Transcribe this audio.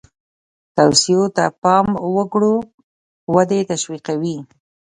توصیو ته پام وکړو ودې تشویقوي.